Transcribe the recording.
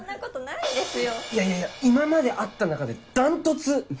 いやいや今まで会った中で断トツ！